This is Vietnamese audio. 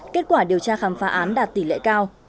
kết quả điều tra khám phá án đạt tỷ lệ cao